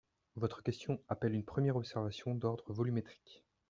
Votre question appelle une première observation d’ordre volumétrique.